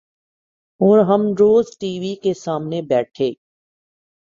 اور ہم روز ٹی وی کے سامنے بیٹھے